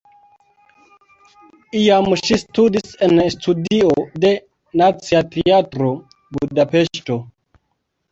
Iam ŝi studis en studio de Nacia Teatro (Budapeŝto).